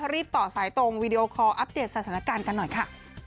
ต่อสายตรงวีดีโอคอลอัปเดตสถานการณ์กันหน่อยค่ะ